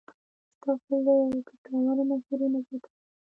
ستاسو له ګټورو مشورو نه زیاته مننه.